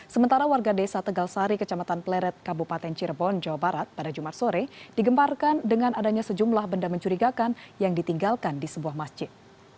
sementara warga desa tegalsari kecamatan pleret kabupaten cirebon jawa barat pada jumat sore digemparkan dengan adanya sejumlah benda mencurigakan yang ditinggalkan di sebuah masjid